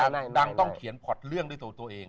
แต่งเพลงแต่งให้ดังดังต้องเขียนพอร์ตเรื่องด้วยตัวตัวเอง